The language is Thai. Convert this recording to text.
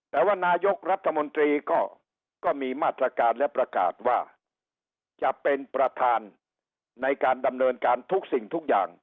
แต่ว่านายกรัฐมนตรีก็มีมาตรการและประกาศว่าจะเป็นประธานในการดำเนินการทุกสิ่งทุกอย่าง